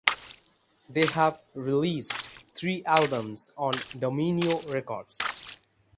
They have released three albums on Domino Records.